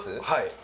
はい。